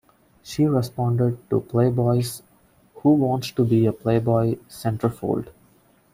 She responded to "Playboy"'s "Who Wants to Be a Playboy Centerfold?